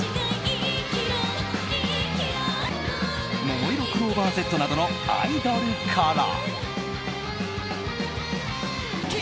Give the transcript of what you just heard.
ももいろクローバーＺなどのアイドルから。